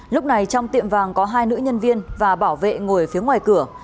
lúc này trong tiệm vàng có hai nữ nhân viên và bảo vệ ngồi phía ngoài cửa